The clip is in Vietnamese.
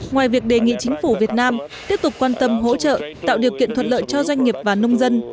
ngoài việc đề nghị chính phủ việt nam tiếp tục quan tâm hỗ trợ tạo điều kiện thuận lợi cho doanh nghiệp và nông dân